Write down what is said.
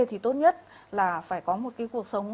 thì tốt nhất là phải có một cái cuộc sống